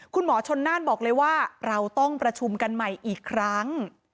คุณหมอชนน่านบอกเลยว่าเราต้องประชุมกันใหม่อีกครั้ง